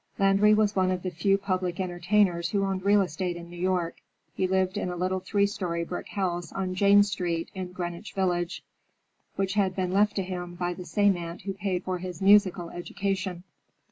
Landry was one of the few public entertainers who own real estate in New York. He lived in a little three story brick house on Jane Street, in Greenwich Village, which had been left to him by the same aunt who paid for his musical education.